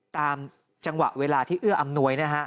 ตามจังหวะเวลาที่เอื้ออำนวยนะฮะ